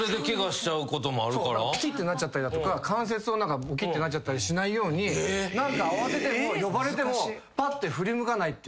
ピキッてなっちゃったりだとか関節をポキッてなっちゃったりしないように慌てて呼ばれてもパッて振り向かないっていう。